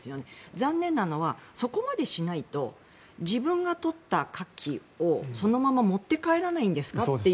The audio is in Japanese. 残念なのはそこまでしないと自分が取ったカキをそのまま持って帰らないんですかという